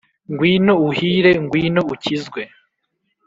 ngwino uhire, ngwino ukizwe